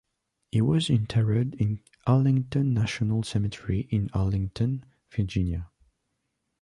He was interred in Arlington National Cemetery in Arlington, Virginia.